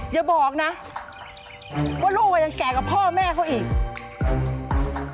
อย่าบอกนะว่าลูกยังแก่กับพ่อแม่เขาอีก